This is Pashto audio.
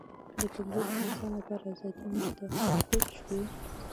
د کمزوري انسان لپاره آزادي نشته پوه شوې!.